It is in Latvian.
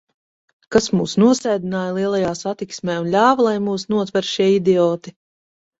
Kas mūs nosēdināja lielajā satiksmē un ļāva, lai mūs notver šie idioti?